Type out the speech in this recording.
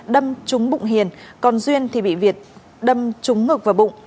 đâm trúng bụng hiền còn duyên thì bị việt đâm trúng ngực và bụng